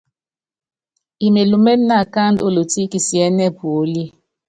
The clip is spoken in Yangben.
Imelúmené naakáandú olotí kisiɛ́nɛ́ puólíe.